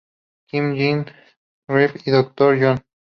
King, Jimmy Reed y Dr. John.